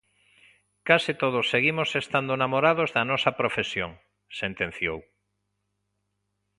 Case todos seguimos estando namorados da nosa profesión, sentenciou.